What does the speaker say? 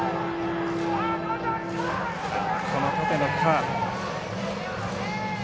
この縦のカーブ。